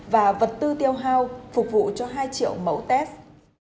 và vật tư tiêu hao phục vụ cho hai triệu mẫu test